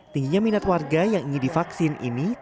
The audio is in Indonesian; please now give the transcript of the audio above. tingginya minat warga yang ingin divaksin ini